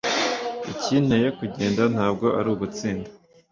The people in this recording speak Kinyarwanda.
Ikinteye kugenda ntabwo ari ugutsinda,